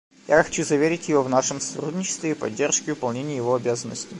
Я хочу заверить его в нашем сотрудничестве и поддержке в выполнении его обязанностей.